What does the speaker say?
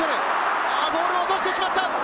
ボールを落としてしまった。